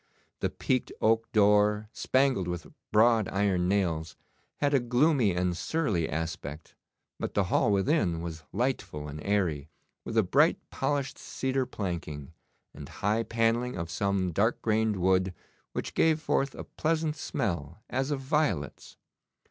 The peaked oak door, spangled with broad iron nails, had a gloomy and surly aspect, but the hall within was lightful and airy, with a bright polished cedar planking, and high panelling of some dark grained wood which gave forth a pleasant smell as of violets.